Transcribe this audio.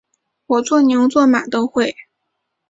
我做牛做马都会